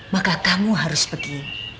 maka kamu harus pergi